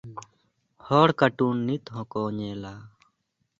ᱦᱚᱲ ᱠᱟᱴᱩᱱ ᱱᱤᱛ ᱦᱚᱸᱠᱚ ᱧᱮᱞᱟ ᱾